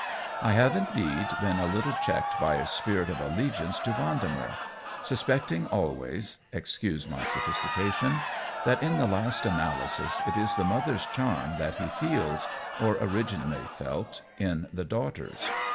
I have indeed been a little checked by a spirit of allegiance to Vendemer; suspecting always (excuse my sophistication) that in the last analysis it is the mother's charm that he feels— or origi nally felt — in the daughter's.